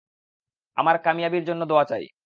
আমার কামিয়াবীর জন্য দোয়া চাই।